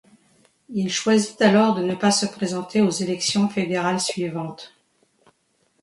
Il choisit alors de ne pas se présenter aux élections fédérales suivantes.